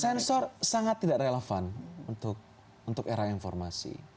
sensor sangat tidak relevan untuk era informasi